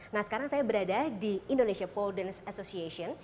nah sekarang saya berada di indonesia pole dance association